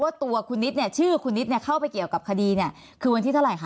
ตัวคุณนิดเนี่ยชื่อคุณนิดเนี่ยเข้าไปเกี่ยวกับคดีเนี่ยคือวันที่เท่าไหรคะ